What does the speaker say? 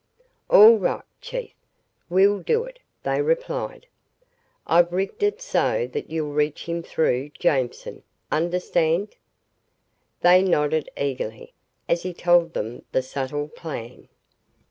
"All right, Chief, we'll do it," they replied. "I've rigged it so that you'll reach him through Jameson, understand?" They nodded eagerly as he told them the subtle plan.